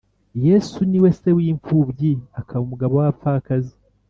Yesu niwe se w’impfubyi akaba umugabo w’abapfakazi